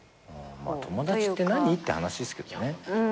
友達って何？って話っすけどね。